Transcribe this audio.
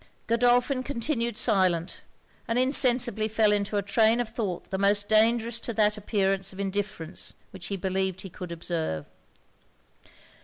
Godolphin continued silent; and insensibly fell into a train of thought the most dangerous to that appearance of indifference which he believed he could observe.